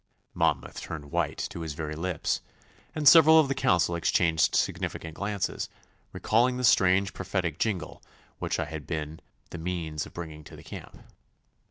Monmouth turned white to his very lips, and several of the council exchanged significant glances, recalling the strange prophetic jingle which I had been the means of bringing to the camp.